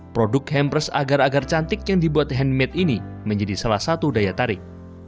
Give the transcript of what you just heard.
produk hampers agar agar cantik yang dibuat handmade ini menjadi salah satu daya tarik